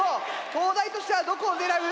東大としてはどこを狙う？